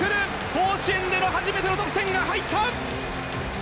甲子園での初めての得点が入った！